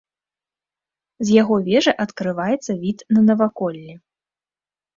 З яго вежы адкрываецца від на наваколлі.